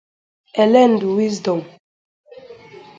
Elendu Wisdom